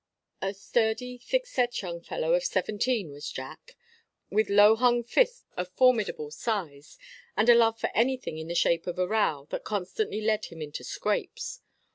A sturdy, thick set young fellow of seventeen was Jack, with low hung fists of formidable size, and a love for anything in the shape of a row that constantly led him into scrapes.